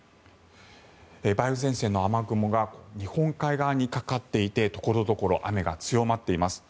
梅雨前線の雨雲が日本海側にかかっていて所々、雨が強まっています。